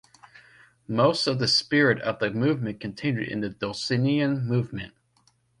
Most of the spirit of the movement continued in the Dulcinian movement.